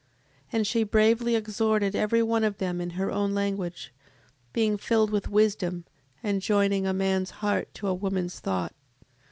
And she bravely exhorted every one of them in her own language, being filled with wisdom; and joining a man's heart to a woman's thought, 7:22.